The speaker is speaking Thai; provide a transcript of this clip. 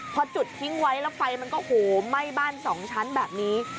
พอจุดทิ้งไว้แล้วไฟมันก็โหมไหม้บ้านสองชั้นแบบนี้